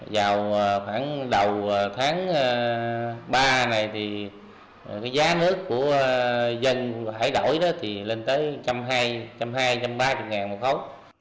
vào khoảng đầu tháng ba này thì giá nước của dân hải đổi lên tới một trăm hai mươi một trăm ba mươi một khối